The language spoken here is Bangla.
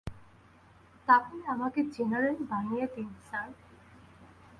তাহলে আমাকে জেনারেল বানিয়ে দিন স্যার।